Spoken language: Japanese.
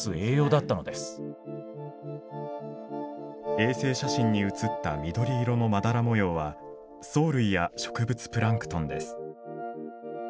衛星写真に写った緑色のまだら模様は藻類や植物プランクトンです。